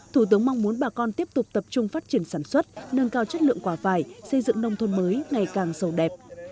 thủ tướng mong muốn bà con tiếp tục tập trung phát triển sản xuất nâng cao chất lượng quả vải xây dựng nông thôn mới ngày càng sâu đẹp